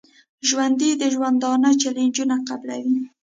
ژوندي د ژوندانه چیلنجونه قبلوي